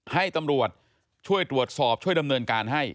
ให้ตำรวจช่วยตรวจสอบช่วยดำเนินการให้